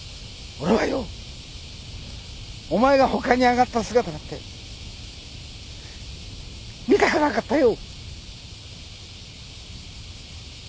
俺はよお前が陸に上がった姿なんて見たくなかったよ。